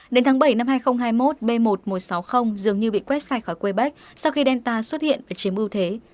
đến tháng bảy năm hai nghìn hai mươi một b một nghìn một trăm sáu mươi dường như bị quét sai khỏi quebec sau khi delta xuất hiện và chiếm ưu thế